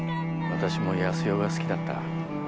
私も康代が好きだった。